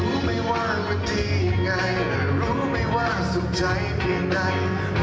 รู้มั้ยว่าวันที่ยังไงรู้มั้ยว่าสุขใจแค่ไหน